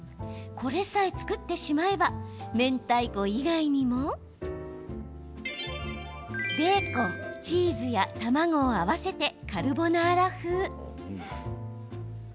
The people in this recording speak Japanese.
これさえ作ってしまえばめんたいこ以外にもベーコン、チーズや卵を合わせてカルボナーラ風。